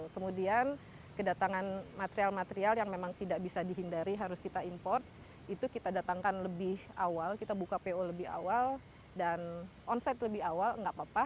kemudian kedatangan material material yang memang tidak bisa dihindari harus kita import itu kita datangkan lebih awal kita buka po lebih awal dan onset lebih awal nggak apa apa